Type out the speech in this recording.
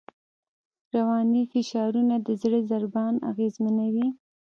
رواني فشارونه د زړه ضربان اغېزمنوي.